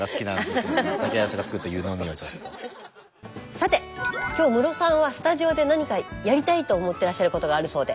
さて今日ムロさんはスタジオで何かやりたいと思ってらっしゃることがあるそうで。